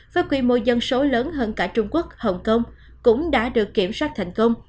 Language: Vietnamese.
với quy mô dân số lớn hơn cả trung quốc hồng kông cũng đã được kiểm soát thành công